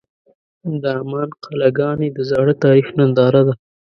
د عمان قلعهګانې د زاړه تاریخ ننداره ده.